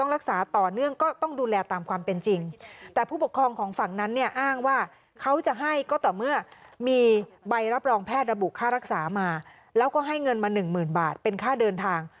แล้วก็ให้เงินมา๑๐๐๐๐บาทเป็นค่าเดินทาง